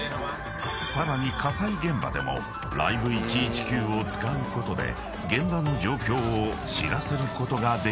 ［さらに火災現場でもＬｉｖｅ１１９を使うことで現場の状況を知らせることができるという］